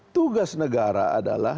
tugas negara adalah